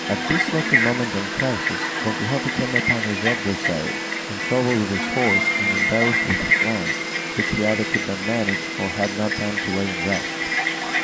At this lucky moment and crisis, Don Quixote came upon his adversary, in trouble with his horse, and embarrassed with his lance, which he either could not manage, or had no time to lay in rest.